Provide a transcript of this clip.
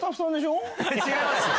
違いますよ！